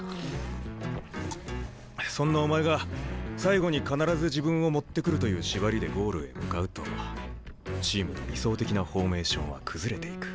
そんなお前が最後に必ず自分を持ってくるという縛りでゴールへ向かうとチームの理想的なフォーメーションは崩れていく。